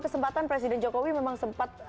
kesempatan presiden jokowi memang sempat